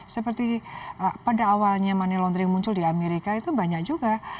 seperti pada awalnya money laundering muncul di amerika itu banyak juga